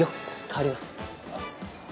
代わります。